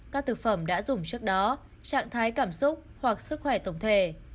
các thực phẩm đã dùng trước đó trạng thái cảm xúc hoặc sức khỏe tổng thể